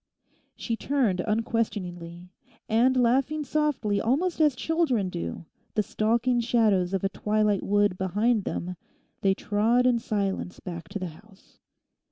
She turned unquestioningly. And laughing softly almost as children do, the stalking shadows of a twilight wood behind them—they trod in silence back to the house.